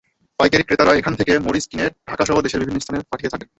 পাইকারি ক্রেতারা এখান থেকে মরিচ কিনে ঢাকাসহ দেশের বিভিন্ন স্থানে পাঠিয়ে থাকেন।